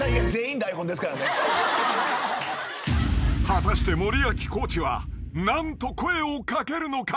［果たして森脇コーチは何と声を掛けるのか？］